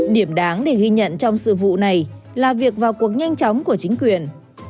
điểm đáng để ghi nhận trong sự vụ này là việc vào cuộc nhanh chóng của chính quyền